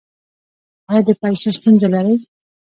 ایا د پیسو ستونزه لرئ؟